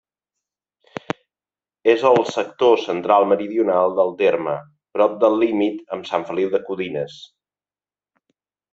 És al sector central-meridional del terme, prop del límit amb Sant Feliu de Codines.